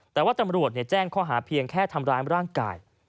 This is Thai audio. แต่ว่าตำรวจแจ้งข้อหาเพียงแค่ทำร้ายร่างกาย